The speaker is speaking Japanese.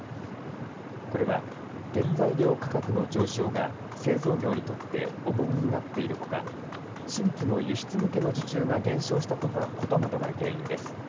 これは原材料価格の上昇が製造業にとって重荷になっているほか新規の輸出向けの受注が減少したことなどが原因です。